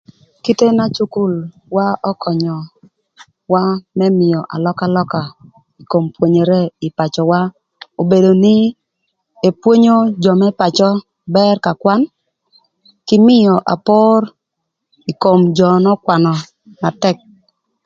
Kite na cukulwa ökönyöwa më mïö alökalöka kom pwonyere ï kom pacöwa, obedo nï epwonyo jö më pacö bër ka kwan, kï mïö apor ï kom jö n'ökwanö na tëk.